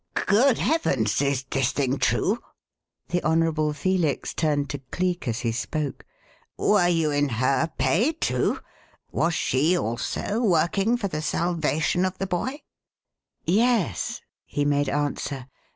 "Good heavens! is this thing true!" The Honourable Felix turned to Cleek as he spoke. "Were you in her pay, too? Was she also working for the salvation of the boy?" "Yes," he made answer.